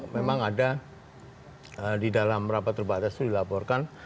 memang ada di dalam rapat terbatas itu dilaporkan